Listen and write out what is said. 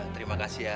terima kasih ya